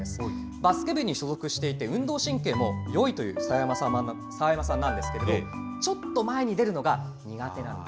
バスケ部に所属していて、運動神経もよいという澤山さんなんですけれども、ちょっと前に出るのが苦手なんです。